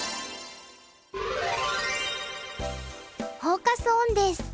フォーカス・オンです。